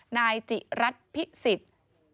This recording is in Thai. นายจิรัตพิศิษย์